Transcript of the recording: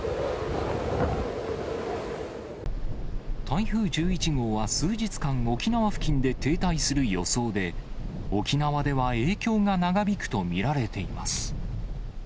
台風１１号は数日間、沖縄付近で停滞する予想で、沖縄では影響が長引くと見られています。